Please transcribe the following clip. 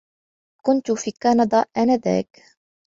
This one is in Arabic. كنتُ في كندا آنذاك.